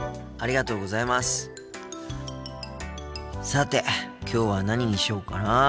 さてきょうは何にしようかなあ。